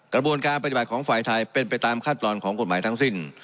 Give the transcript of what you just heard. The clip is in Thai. กระบวนการปฏิบัติของฝ่ายไทยเป็นไปตามขั้นตอนของกฎหมายทั้งสิ้น